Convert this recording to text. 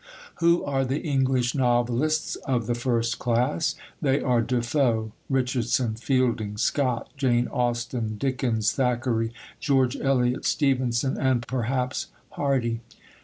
Who are the English novelists of the first class? They are Defoe, Richardson, Fielding, Scott, Jane Austen, Dickens, Thackeray, George Eliot, Stevenson, and perhaps Hardy.